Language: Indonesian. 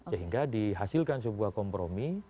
sehingga dihasilkan sebuah kompromi